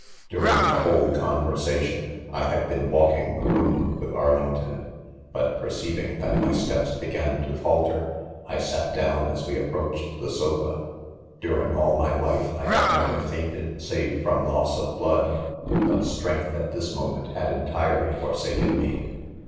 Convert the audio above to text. During the whole conversation, I had been walking the room with Arlington, but perceiving that my steps began tp falter, I sat down as we ap proached the sofa. 1 During ail my life, I had never fainted save from loss of blood j but strength at this mo ment had entirely forsaken me.